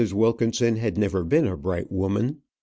Wilkinson had never been a bright woman.